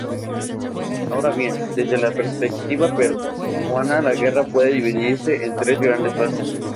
Ahora bien, desde la perspectiva peruana, la guerra puede dividirse en tres grandes fases.